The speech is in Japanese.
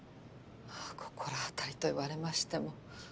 心当たりと言われましても。